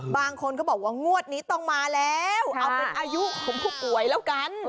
บางคนก็บอกว่างวดนี้ต้องมาแล้วเอาเป็นอายุของผู้ป่วยแล้วกัน